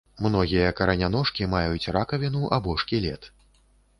Многія караняножкі маюць ракавіну або шкілет.